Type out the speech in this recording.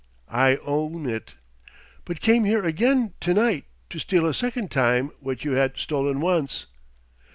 "I own it." "But came here again tonight, to steal a second time what you had stolen once?"